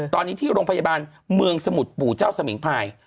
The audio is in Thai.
ตอนนี้ที่โรงพยาบาลเมืองสมุทรปู่เจ้าสมิงพาย